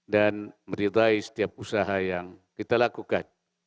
dan meridai setiap usaha yang kita lakukan